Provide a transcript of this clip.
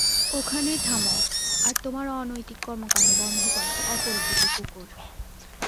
ওখানেই থামো আর তোমার অনৈতিক কর্মকান্ড বন্ধ করো, অপরিচিত কুকুর।